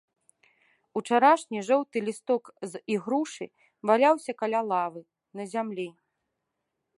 Учарашні жоўты лісток з ігрушы валяўся каля лавы, на зямлі.